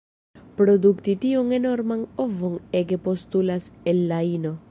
Produkti tiun enorman ovon ege postulas el la ino.